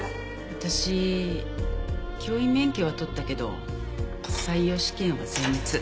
私教員免許は取ったけど採用試験は全滅。